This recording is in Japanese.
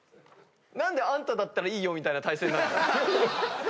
何で「あんただったらいいよ」みたいな体勢になんの？